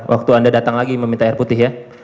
waktu anda datang lagi meminta air putih ya